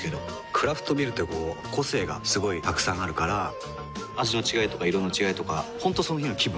クラフトビールってこう個性がすごいたくさんあるから味の違いとか色の違いとか本当その日の気分。